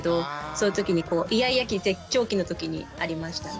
そういう時にイヤイヤ期絶頂期の時にありましたね。